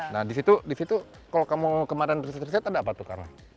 nah di situ kalau kamu kemarin riset riset ada apa tuh karena